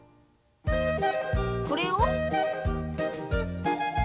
これを。